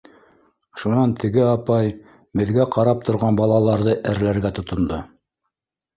Шунан теге апай беҙгә ҡарап торған балаларҙы әрләргә тотондо: